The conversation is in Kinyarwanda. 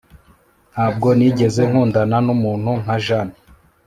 Ntabwo nigeze nkundana numuntu nka Jane